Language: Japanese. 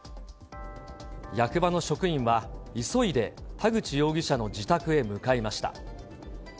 役場の職員は、急いで田口容疑者の自宅へ向かいました。